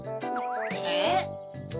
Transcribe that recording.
えっ？